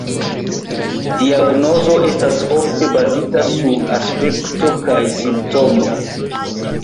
Diagnozo estas ofte bazita sur la aspekto kaj simptomoj.